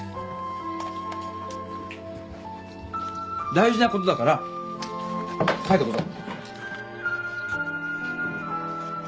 大事なことだから書いとくぞ。